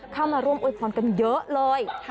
เข้ามาร่วมโวยพรกันเยอะเลย